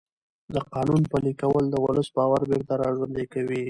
د قانون پلي کول د ولس باور بېرته راژوندی کوي